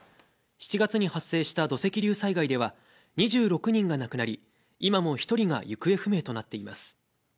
７月に発生した土石流災害では、２６人が亡くなり、今も１人が行方不明となっています。